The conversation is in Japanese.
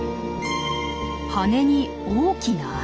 羽に大きな穴。